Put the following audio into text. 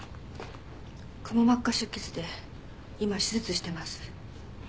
くも膜下出血で今手術してます。